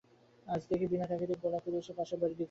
আজ দেখি, বিনা তাগিদেই গোলা কুড়িয়ে সে পাশের বাড়ির দিকে ছুটছে।